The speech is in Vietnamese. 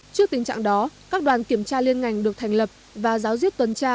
trước tình trạng đó các đoàn kiểm tra liên ngành được thành lập và giáo diết tuần tra